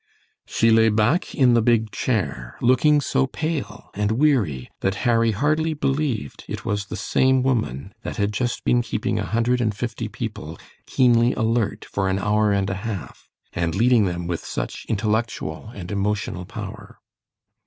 She lay back in the big chair, looking so pale and weary that Harry hardly believed it was the same woman that had just been keeping a hundred and fifty people keenly alert for an hour and a half, and leading them with such intellectual and emotional power.